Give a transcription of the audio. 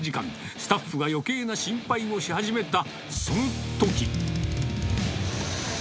スタッフが余計な心配をし始めたそのとき。